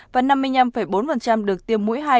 và năm mươi năm bốn được tiêm mũi hai